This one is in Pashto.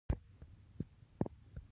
د فزیک سفر لا ډېر اوږ دی.